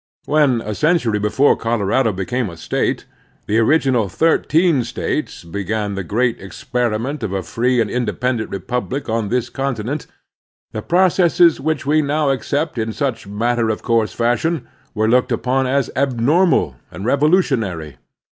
When, a century before Colorado became a State, the original thirteen States began the great experiment of a free and independent republic on this continent, the processes which we now accept in such matter of course fashion were looked upon <as abnormal and revolutionary.